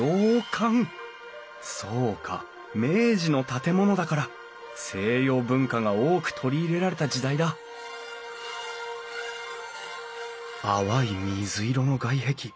そうか明治の建物だから西洋文化が多く取り入れられた時代だ淡い水色の外壁。